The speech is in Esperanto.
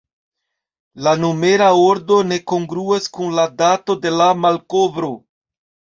La numera ordo ne kongruas kun la dato de la malkovro.